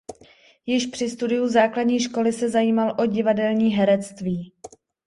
Již při studiu základní školy se zajímal o divadelní herectví.